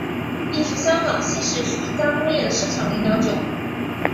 亦是香港西式熟食加工业的市场领导者。